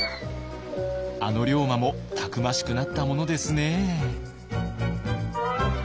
あの龍馬もたくましくなったものですね。